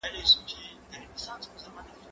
تمرين د زده کوونکي له خوا کيږي!.